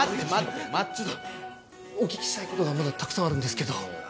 ちょっとお聞きしたいことがまだたくさんあるんですけど。